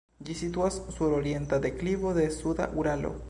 Ĝi situas sur orienta deklivo de suda Uralo.